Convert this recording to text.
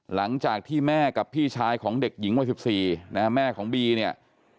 หลังจากที่แม่กับพี่ชายของเด็กหญิงวัย๑๔นะฮะแม่ของบีเนี่ย